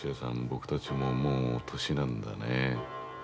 僕たちももう年なんだねえ。